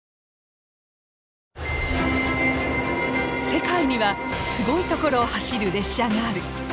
世界にはすごい所を走る列車がある。